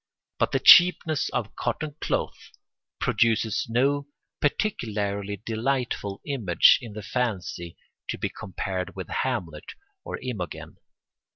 But the cheapness of cotton cloth produces no particularly delightful image in the fancy to be compared with Hamlet or Imogen.